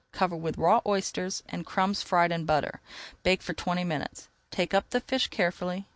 Cover with raw oysters and crumbs fried in butter. Bake for twenty minutes. Take up the fish carefully.